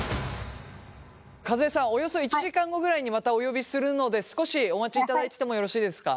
和江さんおよそ１時間後くらいにまたお呼びするので少しお待ちいただいててもよろしいですか？